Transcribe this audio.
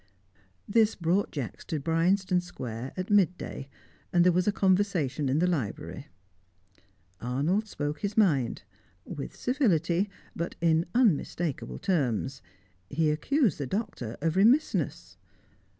This brought Jacks to Bryanston Square at midday, and there was a conversation in the library. Arnold spoke his mind; with civility, but in unmistakable terms; he accused the Doctor of remissness.